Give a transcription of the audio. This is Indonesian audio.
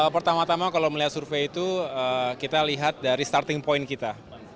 pertama tama kalau melihat survei itu kita lihat dari starting point kita